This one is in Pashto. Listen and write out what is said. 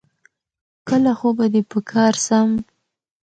کله خو به دي په کار سم